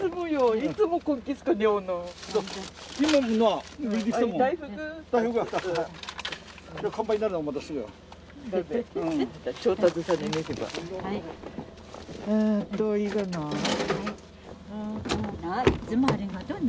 いつもありがとうな。